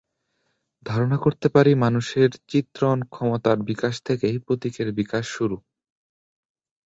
ধারণা করতে পারি, মানুষের চিত্রণ ক্ষমতার বিকাশ থেকেই প্রতীকের বিকাশ শুরু।